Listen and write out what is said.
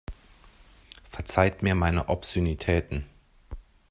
Verzeiht mir meine Obszönitäten.